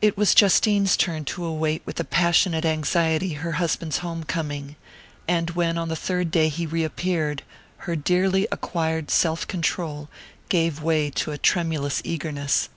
It was Justine's turn to await with a passionate anxiety her husband's home coming; and when, on the third day, he reappeared, her dearly acquired self control gave way to a tremulous eagerness.